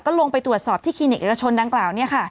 ลงไปตรวจสอบที่คลินิกเอกชนดังกล่าว